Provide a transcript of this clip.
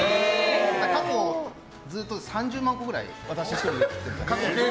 過去ずっと３０万個くらい私１人で切ってます。